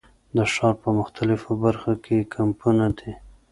د ښار په مختلفو برخو کې یې کمپونه دي.